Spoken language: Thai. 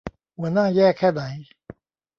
หัวหน้าแย่แค่ไหน